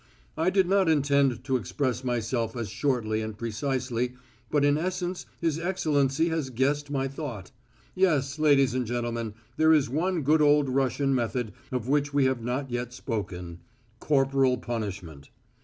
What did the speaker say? "I did not intend to express myself as shortly and precisely, but in essence his Excellency has guessed my thought. Yes, ladies and gentlemen, there is one good old Russian method of which we have not yet spoken corporal punishment.